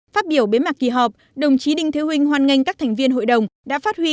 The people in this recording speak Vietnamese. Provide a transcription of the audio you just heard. phát biểu bế mạc kỳ họp đồng chí đinh thế hoan nghênh các thành viên hội đồng đã phát huy